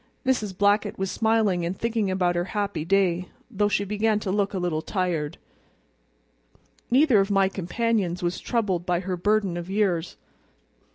Mrs. Blackett was smiling and thinking about her happy day, though she began to look a little tired. Neither of my companions was troubled by her burden of years.